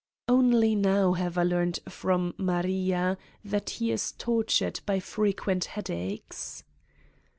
Only now have I learned from Maria that he is tortured by frequent headaches.